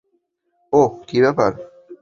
ওহ, কী ব্যাপার?